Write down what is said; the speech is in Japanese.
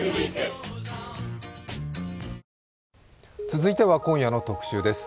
続いては、今夜の特集です。